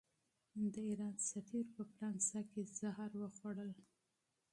د ایران سفیر په فرانسه کې زهر وخوړل.